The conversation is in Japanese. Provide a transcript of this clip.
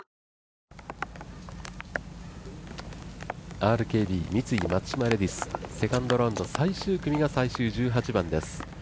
ＲＫＢ×三井松島レディス、セカンドラウンド、最終組が最終１８番です。